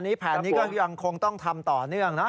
แผนนี้ก็ยังคงต้องทำต่อเนื่องนะ